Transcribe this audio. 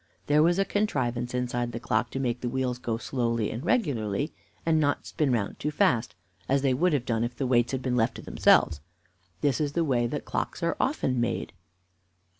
There was a contrivance inside the clock to make the wheels go slowly and regularly, and not spin round too fast, as they would have done if the weights had been left to themselves. This is the way that clocks are often made.